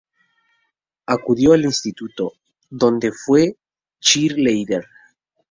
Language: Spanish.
Acudió al instituto, donde fue cheerleader.